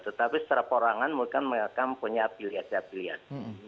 tetapi secara perorangan mereka punya pilihan pilihan